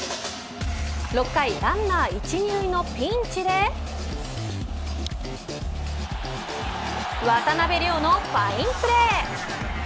６回、ランナー１・２塁のピンチで渡邉諒のファインプレー。